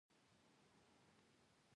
د امیدوارۍ د فشار لپاره مالګه کمه کړئ